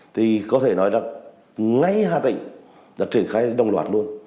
thì có thể nói là ngay hà tĩnh đã triển khai đồng loạt luôn